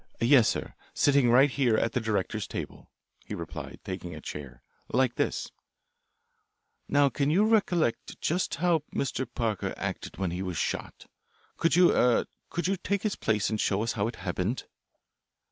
"Yes, sir, sitting right here at the directors' table," he replied, taking a chair, "like this." "Now can you recollect just how Mr. Parker acted when he was shot? Could you er could you take his place and show us just how it happened?"